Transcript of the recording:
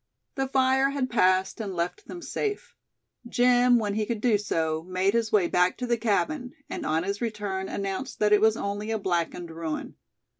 The fire had passed, and left them safe. Jim, when he could do so, made his way back to the cabin; and on his return announced that it was only a blackened ruin.